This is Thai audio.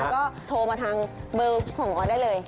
ก็โทรมาทางเบอร์ของออสได้เลย